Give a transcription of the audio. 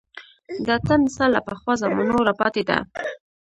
د اتڼ نڅا له پخوا زمانو راپاتې ده